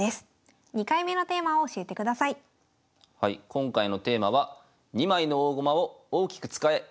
今回のテーマは「二枚の大駒を大きく使え」です。